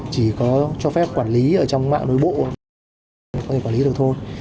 chỉ có cho phép quản lý ở trong mạng nội bộ có thể quản lý được thôi